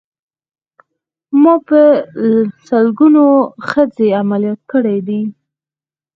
ما په سلګونو ښځې عمليات کړې دي.